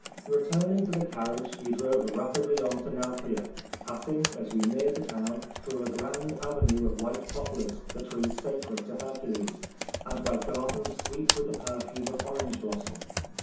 Returning to the carriage, we drove rapidly on to Nauplia, pass ing, as we neared the town, through a grand avenue of white poplars, the tree sacred to Hercules, and by gardens sweet with the perfume of orange blossom.